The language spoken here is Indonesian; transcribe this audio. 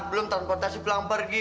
belum transportasi pulang pergi